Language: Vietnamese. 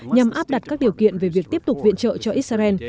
nhằm áp đặt các điều kiện về việc tiếp tục viện trợ cho israel